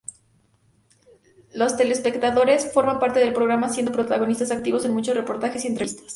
Los telespectadores forman parte del programa siendo protagonistas activos en muchos reportajes y entrevistas.